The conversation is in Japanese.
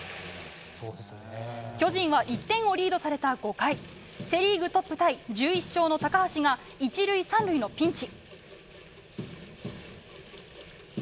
巨人は１点をリードされた５回セ・リーグトップタイ１１勝の高橋が１塁３塁のピンチ。